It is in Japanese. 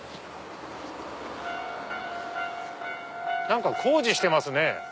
何か工事してますね